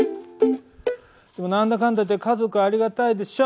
何だかんだ言って家族ありがたいでしょ。